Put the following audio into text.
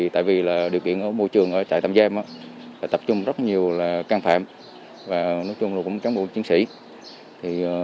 tại vì điều kiện ở môi trường tại tâm giam tập trung rất nhiều là can phạm và nói chung là cán bộ chiến sĩ